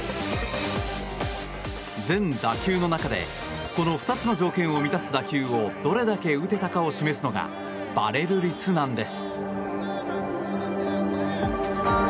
全打球の中でこの２つの条件を満たす打球をどれだけ打てたかを示すのがバレル率なんです。